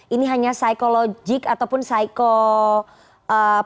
ini hanya psikologik ataupun psiko